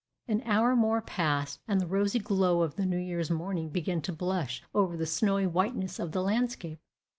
An hour more passed, and the rosy glow of the New Year's morning began to blush over the snowy whiteness of the landscape.